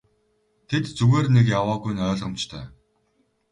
Тэд зүгээр нэг яваагүй нь ойлгомжтой.